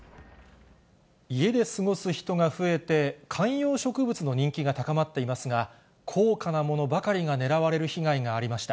家で過ごす人が増えて、観葉植物の人気が高まっていますが、高価なものばかりが狙われる被害がありました。